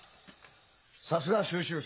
さすが修習生！